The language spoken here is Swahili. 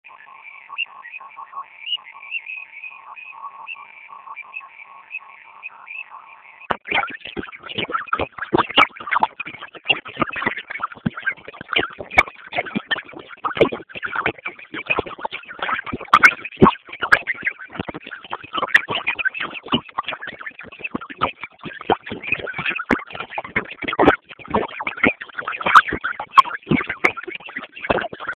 kikundi cha wanawake cha Paramount Hivi leo